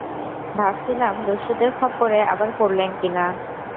ভাবছিলাম, দস্যুদের খপ্পড়ে আবার পড়লেন কিনা!